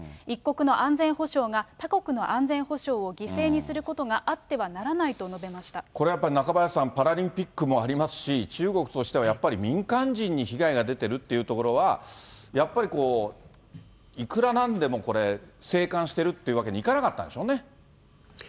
一国の安全保障が他国の安全保障を犠牲にすることがあってはならこれはやっぱり、中林さん、パラリンピックもありますし、中国としては、やっぱり民間人に被害が出てるっていうところは、やっぱり、いくらなんでもこれ、静観してるというわけにはいかなかったんでしょうね。